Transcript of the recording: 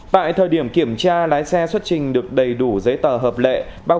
tại thời điểm kiểm tra lái xe xuất trình được đầy đủ giấy tờ hợp lệ